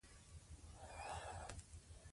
د حقایقو په رڼا کې مخکې لاړ شو.